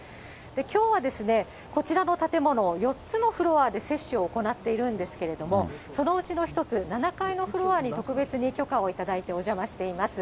きょうはこちらの建物、４つのフロアで接種を行っているんですけども、そのうちの一つ、７階のフロアに特別に許可をいただいて、お邪魔しています。